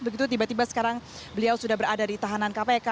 begitu tiba tiba sekarang beliau sudah berada di tahanan kpk